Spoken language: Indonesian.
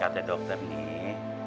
kata dokter nih